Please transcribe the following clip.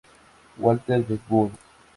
Walter de Burgh